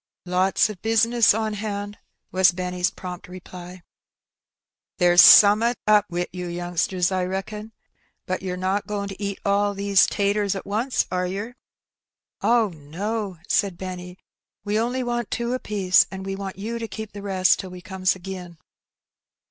" '^Lots o' bisness on hand," was Benny's prompt reply. ''There's some'at up wi' you youngsters, I reckon. But yer not goin' to eat all these taters at once, are yer ?"'' Oh, no 1 " said Benny, '' we on'y want two apiece, and we want you to keep the rest till we comes agin."